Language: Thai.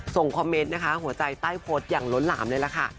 คอมเมนต์นะคะหัวใจใต้โพสต์อย่างล้นหลามเลยล่ะค่ะ